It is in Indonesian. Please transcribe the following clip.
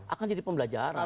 akan jadi pembelajaran